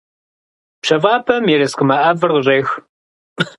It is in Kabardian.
ПщэфӀапӀэм ерыскъымэ ӀэфӀыр къыщӀех…